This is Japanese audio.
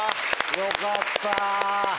よかった。